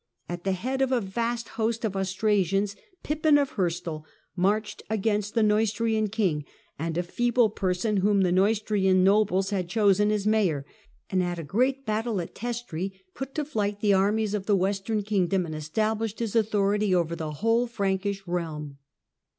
At the head of a vast host of Austrasians, Pippin of Heristal marched against the Neustrian king and a feeble person whom the Neustrian nobles had chosen as mayor, and at a great battle at Testri put to flight the armies of the Western kingdom and established his authority over the whole Frankish realm.